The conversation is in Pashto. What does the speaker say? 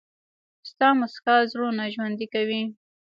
• ستا موسکا زړونه ژوندي کوي.